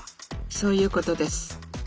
そういうことです。